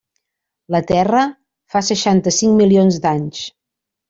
La Terra, fa seixanta-cinc milions d'anys.